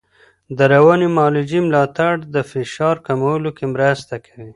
د رواني معالجې ملاتړ د فشار کمولو کې مرسته کوي.